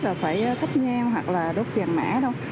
là phải thắp nhang hoặc là đốt vàng mã đâu